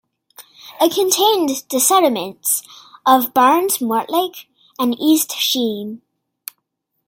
It contained the settlements of Barnes, Mortlake and East Sheen.